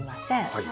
はい。